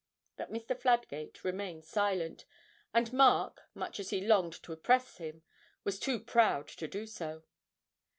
But Mr. Fladgate remained silent, and Mark, much as he longed to press him, was too proud to do so.